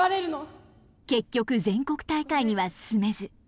結局全国大会には進めず。